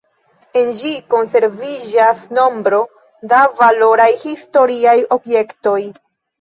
En ĝi konserviĝas nombro da valoraj historiaj objektoj.